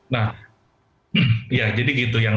nah ya jadi gitu